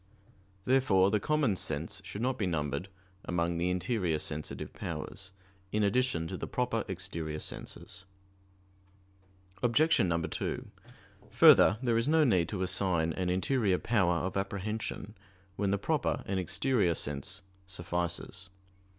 Therefore the common sense should not be numbered among the interior sensitive powers, in addition to the proper exterior senses. Obj. 2: Further, there is no need to assign an interior power of apprehension when the proper and exterior sense suffices.